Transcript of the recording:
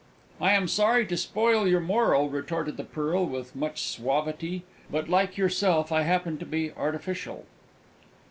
"I am sorry to spoil your moral," retorted the Pearl with much suavity, "but, like yourself, I happen to be Artificial."